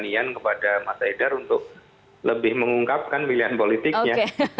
pertanyaan kepada mas haidar untuk lebih mengungkapkan pilihan politiknya